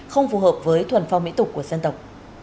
không phù hợp với thuần phong mỹ tục của dân tộc